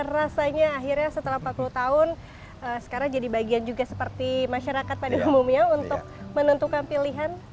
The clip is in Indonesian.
rasanya akhirnya setelah empat puluh tahun sekarang jadi bagian juga seperti masyarakat pada umumnya untuk menentukan pilihan